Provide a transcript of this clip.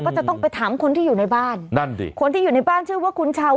ก็จะต้องไปถามคนที่อยู่ในบ้านนั่นดิคนที่อยู่ในบ้านชื่อว่าคุณชาว